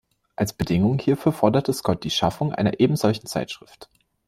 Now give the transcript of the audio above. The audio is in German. Als Bedingung hierfür forderte Scott die Schaffung einer ebensolchen Zeitschrift.